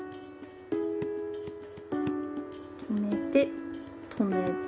止めて止めて。